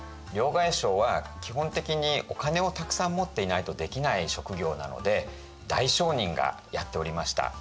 両替商は基本的にお金をたくさん持っていないとできない職業なので大商人がやっておりました。